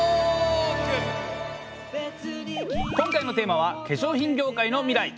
今回のテーマは「化粧品業界の未来」。